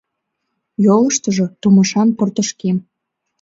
Йолыштыжо тумышан портышкем.